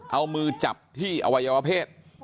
เอามือจับที่อวัยวเพศ